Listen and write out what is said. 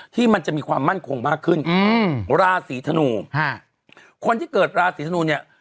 ที่มันจะมีความมั่นคงมากขึ้นอืมราศีธนูฮะคนที่เกิดราศีธนูเนี่ย